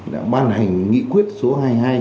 đã ban hành nghị quyết số hai mươi hai